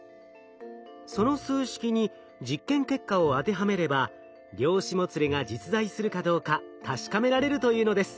その数式に実験結果を当てはめれば量子もつれが実在するかどうか確かめられるというのです。